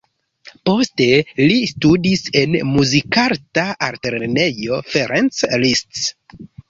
Poste li studis en Muzikarta Altlernejo Ferenc Liszt.